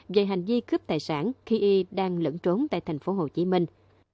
về hành vi cướp tài sản khi y đang lẫn trốn tại thành phố hồ chí minh